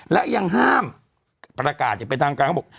แล้วยังห้ามปรากาศเรียกไปทางกลางบอก